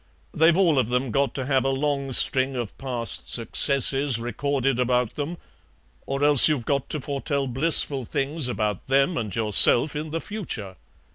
They've all of them got to have a long string of past successes recorded about them, or else you've got to foretell blissful things about them and yourself in the future.